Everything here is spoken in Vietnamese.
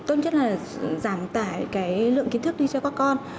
tôn chất là giảm tải cái lượng kiến thức đi cho các con